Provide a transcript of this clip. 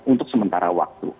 untuk sementara waktu